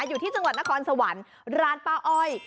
อยู่ที่จังหวัดนครสวรรค์ร้านป้าอ้อย